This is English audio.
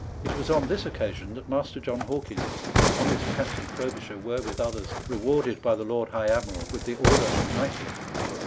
It was on this SPANISH AHMADA. 309 occasion that Master John Hawkins and honest Captain Frobisher were with others rewarded by the Lord High Admiral with the order of knighthood.